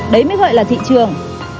đấy mới gọi là thị trường